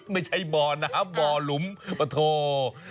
ไม่ใช่บอนะครับบอหลุมเป้าหมด